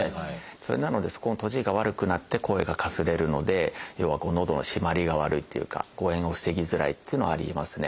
それなのでそこの閉じが悪くなって声がかすれるので要はのどの閉まりが悪いっていうか誤えんを防ぎづらいっていうのはありますね。